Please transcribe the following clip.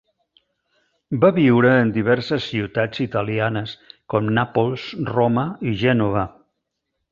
Va viure en diverses ciutats italianes com Nàpols, Roma i Gènova.